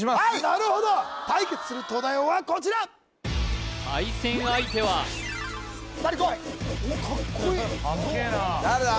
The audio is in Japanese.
なるほど対決する東大王はこちら対戦相手は２人こいおっカッコイイ・かっけーな誰だ？